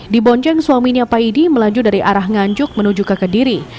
di bonceng suaminya paidi melaju dari arah nganjuk menuju ke kediri